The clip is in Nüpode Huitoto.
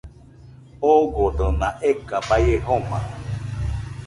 Ogodona eka baie joma